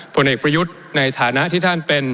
ผลเอกประยุทธ์ในฐานะที่ท่านเป็น